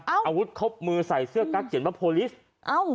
เอาอาวุธครบมือใส่เสื้อกั๊กเขียนว่าโพลิสเอ้า